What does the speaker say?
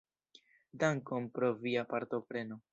Dankon pro via partopreno.